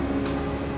terima kasih gue